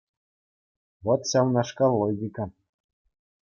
Вӑт ҫавнашкал логика.